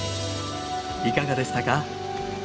いかがでしたか？